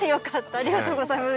ありがとうございます。